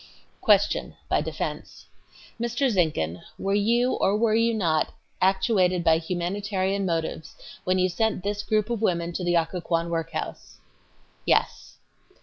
Q. [By defense.] Mr. Zinkhan, were you or were you not actuated by humanitarian motives when you sent this group of women to the Occoquan Workhouse? A. Yes.